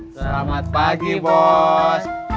selamat pagi bos